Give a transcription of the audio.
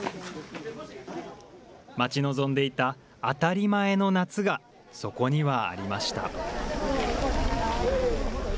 待ち望んでいた当たり前の夏がそこにはありました。